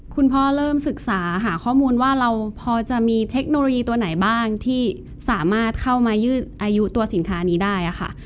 คุณพ่อเริ่มศึกษาหาข้อมูลว่าเราพอจะมีเทคโนโลยีตัวไหนบ้างที่สามารถเข้ามายืดอายุตัวสินค้านี้ได้ค่ะ